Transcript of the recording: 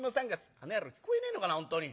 「あの野郎聞こえねえのかな本当に。